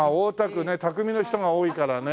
匠の人が多いからねすごいね。